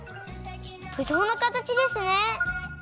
ぶどうのかたちですね。